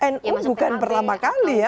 nu bukan pertama kali ya